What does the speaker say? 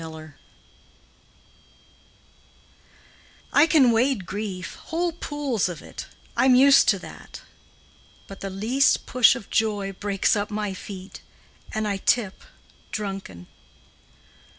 THE TEST. I can wade grief, Whole pools of it, I 'm used to that. But the least push of joy Breaks up my feet, And I tip drunken.